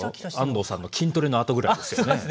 安藤さんの筋トレのあとぐらいですよね。